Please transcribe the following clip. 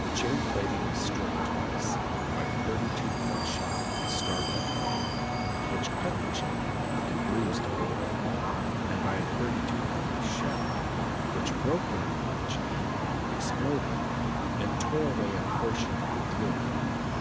The chain plating was struck twice, by a thirty two pound shot in starboard gangway, which cut the chain and bruised planking, and by a thirty two pounder shell, which broke a link of the chain, exploded, and tore away a portion of the deal covering.